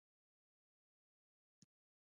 د تره ګل د څه لپاره وکاروم؟